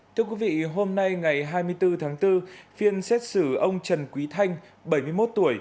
thưa quý vị hôm nay ngày hai mươi bốn tháng bốn phiên xét xử ông trần quý thanh bảy mươi một tuổi